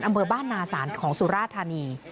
อำเภอบ้านนาศาลของสุราธานี